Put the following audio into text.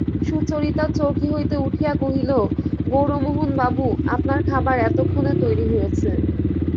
সুচরিতা চৌকি হইতে উঠিয়া কহিল, গৌরমোহনবাবু, আপনার খাবার এতক্ষণে তৈরি হয়েছে।